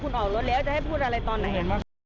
คุณออกรถแล้วจะให้พูดอะไรตอนไหน